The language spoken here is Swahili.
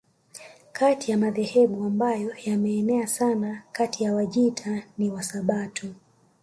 Kati ya madhehebu ambayo yameenea sana kati ya Wajita ni Wasabato